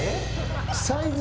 サイズ